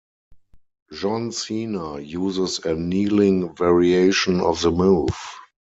John Cena uses a kneeling variation of the move.